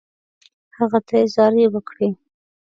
هغه ته یې زارۍ وکړې.